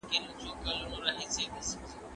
هغه انسان پرمختګ نه سي کولای چي علم نه لري.